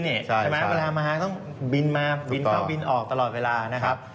ใช่ไหมเวลามาต้องบินมาบินเข้าบินออกตลอดเวลานะครับ